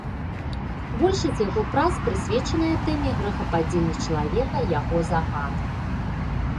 Большасць яго прац прысвечаная тэме грэхападзення чалавека, яго заганам.